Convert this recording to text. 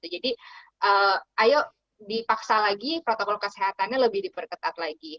jadi ayo dipaksa lagi protokol kesehatannya lebih diperketat lagi